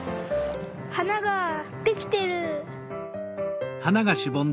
はなができてる！